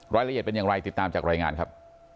รายละเอียดเป็นอย่างไรติดตามจากรายงานครับ